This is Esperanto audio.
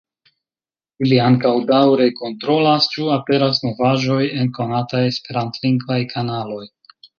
Ili ankaŭ daŭre kontrolas, ĉu aperas novaĵoj en konataj esperantlingvaj kanaloj.